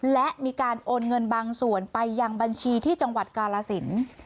และมีการโอนเงินบางส่วนไปยังบัญชีที่จังหวัดกาลสิน